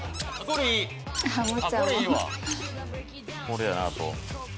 これやなあと。